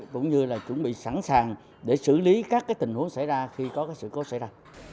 cũng như là chuẩn bị sẵn sàng để xử lý các tình huống xảy ra khi có sự cố xảy ra